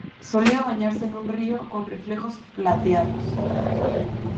Solía bañarse en un río con reflejos plateados.